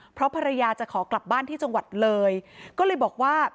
เพราะภรรยาจะขอกลับบ้านที่จังหวัดเลยก็เลยบอกว่า